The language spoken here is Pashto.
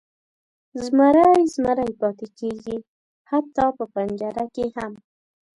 زمری زمری پاتې کیږي، حتی په پنجره کې هم.